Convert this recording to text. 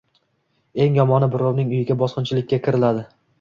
Eng yomoni, birovning uyiga bosqinchilikka kiriadi.